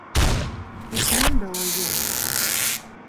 Ит мондо оем